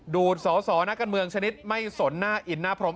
ดูดสอสอนักการเมืองชนิดไม่สนหน้าอินหน้าพรม